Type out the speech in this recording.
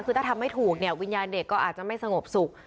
คือถ้าทำไม่ถูกเนี่ยวิญญาณเด็กก็อาจจะไม่สงบสุข